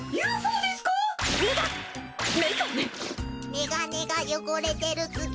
メガネが汚れてるつぎ。